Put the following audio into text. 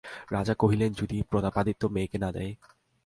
রাজা কহিলেন, যদি প্রতাপাদিত্য মেয়েকে না দেয়?